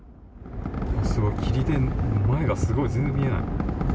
すごい、霧で前がすごい、全然見えない。